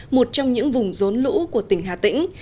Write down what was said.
một trong những vùng rốn lũ của tỉnh hà tĩnh